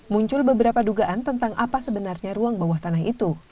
muncul beberapa dugaan tentang apa sebenarnya ruang bawah tanah itu